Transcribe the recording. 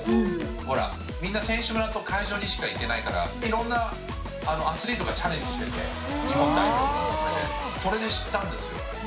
ほら、みんな選手村と会場にしか行けないから、いろんなアスリートがチャレンジしてて、それで知ったんですよ。